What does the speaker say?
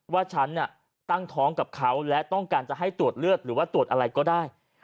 ว่าฉันตั้งท้องกับเขาและต้องการจะให้ตรวจเลือดหรือว่าตรวจอะไรก็ได้